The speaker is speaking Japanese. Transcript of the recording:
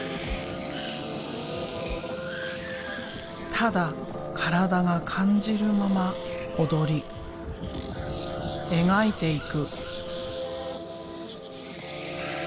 ただ体が感じるまま踊り描いていく。